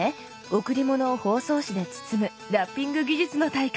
贈り物を包装紙で包むラッピング技術の大会！